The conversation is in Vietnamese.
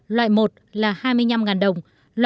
loại một là hai mươi năm đồng